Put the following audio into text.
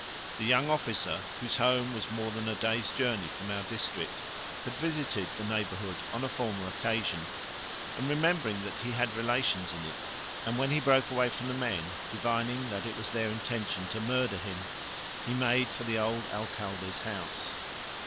The young officer, whose home was more than a day's journey from our district, had visited the neighbourhood on a former occasion and remembered that he had relations in it; and when he broke away from the men, divining that it was their intention to murder him, he made for the old Alcalde's house.